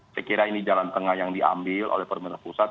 saya kira ini jalan tengah yang diambil oleh pemerintah pusat